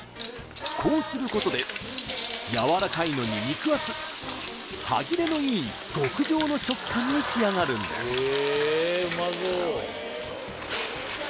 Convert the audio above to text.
こうすることでやわらかいのに肉厚歯切れのいい極上の食感に仕上がるんです